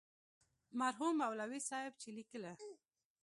مرحوم مولوي صاحب چې لیکله.